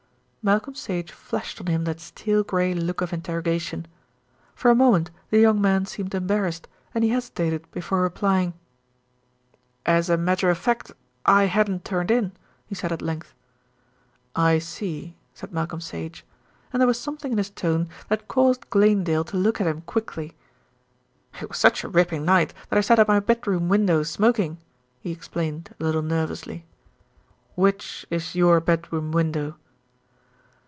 Malcolm Sage flashed on him that steel grey look of interrogation. For a moment the young man seemed embarrassed, and he hesitated before replying. "As a matter of fact, I hadn't turned in," he said at length. "I see," said Malcolm Sage, and there was something in his tone that caused Glanedale to look at him quickly. "It was such a rippin' night that I sat at my bedroom window smoking," he explained a little nervously. "Which is your bedroom window?"